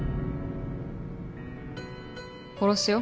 殺すよ